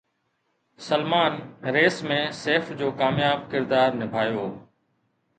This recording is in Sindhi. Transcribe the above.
سلمان ريس ۾ سيف جو ڪامياب ڪردار نڀايو